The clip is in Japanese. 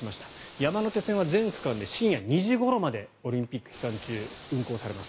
山手線は全区間で深夜２時ごろまでオリンピック期間中運行されます。